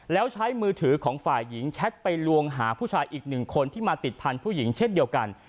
แล้วใช้มือถือของฝ่ายหญิงแชทไปลวงหาผู้ชายอีกหนึ่งคนที่มาติดพันธุ์ผู้หญิงเช่นเดียวกัน